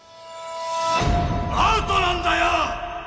アウトなんだよ！！